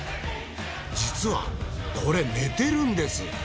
実はこれ寝てるんです。